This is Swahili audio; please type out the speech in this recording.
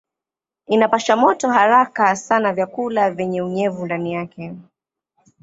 Inapasha moto haraka sana vyakula vyenye unyevu ndani yake.